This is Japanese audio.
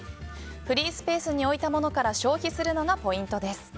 フリースペースに置いたものから消費するのがポイントです。